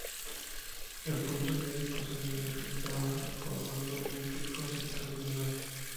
En el punto medio posee una cresta baja, formando un pico central menor.